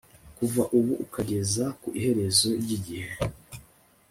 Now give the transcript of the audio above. Kuva ubu ukageza ku iherezo ryigihe